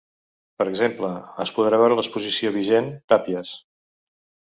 Per exemple, es podrà veure l’exposició vigent, Tàpies.